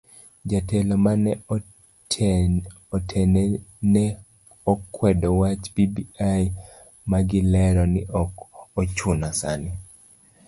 Jotelo mane otene ne okwedo wach bbi magilero ni ok ochuno sani.